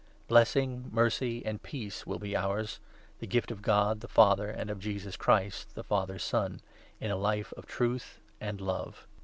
Blessing, mercy, and peace will be ours — the gift of God, the 3 Father, and of Jesus Christ, the Father's Son — in a life of truth and love.